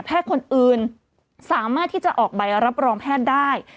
คนอื่นสามารถที่จะออกใบรับรองแพทย์ได้